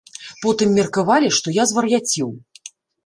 Потым меркавалі, што я звар'яцеў.